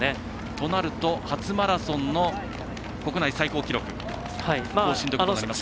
となると初マラソンの国内最高記録更新ということになりますね。